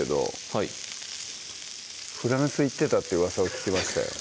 はいフランス行ってたってうわさを聞きましたよ